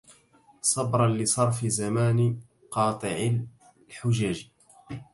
صبرا لصرف زمان قاطع الحجج